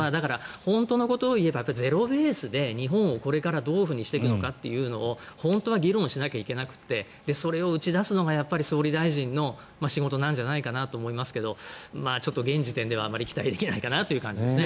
本当のことを言えばゼロベースで日本をこれからどういうふうにしていくかを本当は議論しなきゃいけなくてそれを打ち出すのがやっぱり総理大臣の仕事なんじゃないかなと思いますがちょっと現時点ではあまり期待できないですね。